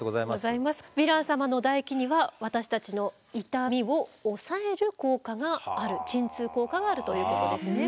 ヴィラン様の唾液には私たちの痛みを抑える効果がある鎮痛効果があるということですね。